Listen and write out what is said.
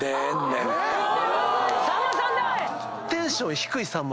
さんまさんだ！